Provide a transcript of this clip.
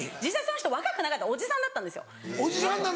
実際その人若くなかったおじさんだったんですよ。